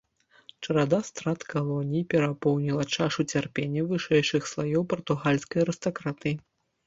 Чарада страт калоній перапоўніла чашу цярпення вышэйшых слаёў партугальскай арыстакратыі.